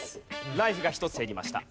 ライフが１つ減りました。